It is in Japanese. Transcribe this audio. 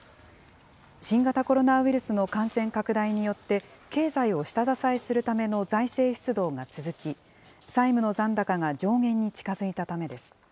新型コロナウイルスの感染拡大によって、経済を下支えするための財政出動が続き、債務の残高が上限に近づいたためです。